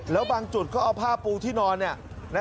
แล้วบางจุดก็เอาผ้าปูที่นอน